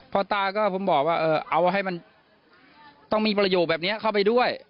พ่อตาก็ผมบอกว่าเอาให้มันต้องมีประโยคแบบนี้เข้าไปด้วย